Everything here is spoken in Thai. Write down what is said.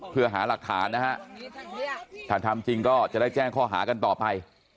เพื่อหาหลักฐานนะฮะถ้าทำจริงก็จะได้แจ้งข้อหากันต่อไป